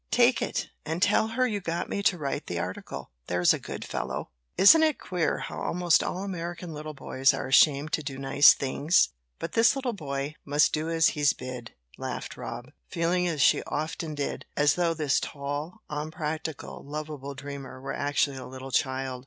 Take it, and tell her you got me to write the article, there's a good fellow!" "Isn't it queer how almost all American little boys are ashamed to do nice things? But this little boy must do as he's bid," laughed Rob, feeling, as she often did, as though this tall, unpractical, lovable dreamer were actually a little child.